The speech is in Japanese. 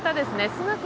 スナク